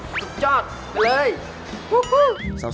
สุดยอดไปเลย